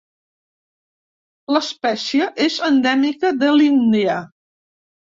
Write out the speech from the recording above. L'espècia és endèmica d l'Índia.